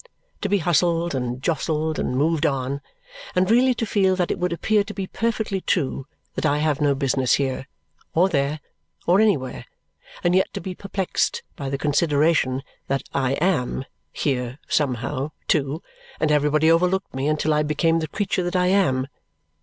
To be hustled, and jostled, and moved on; and really to feel that it would appear to be perfectly true that I have no business here, or there, or anywhere; and yet to be perplexed by the consideration that I AM here somehow, too, and everybody overlooked me until I became the creature that I am!